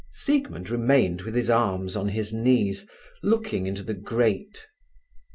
Siegmund remained with his arms on his knees, looking into the grate.